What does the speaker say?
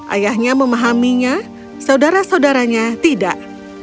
ayahnya memahaminya saudara saudaranya tidak